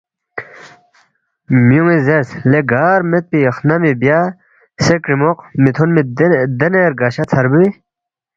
میونی زیرس لے گار مید پی خنمی بیا، سے کڑیموق میتھونمی دینے رگشہ ژھربوئی۔